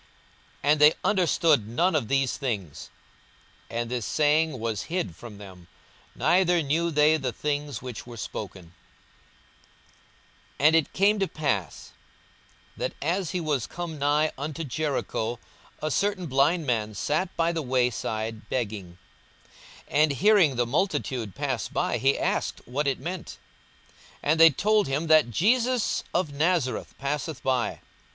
42:018:034 And they understood none of these things: and this saying was hid from them, neither knew they the things which were spoken. 42:018:035 And it came to pass, that as he was come nigh unto Jericho, a certain blind man sat by the way side begging: 42:018:036 And hearing the multitude pass by, he asked what it meant. 42:018:037 And they told him, that Jesus of Nazareth passeth by.